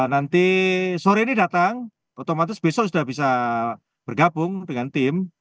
nanti sore ini datang otomatis besok sudah bisa bergabung dengan tim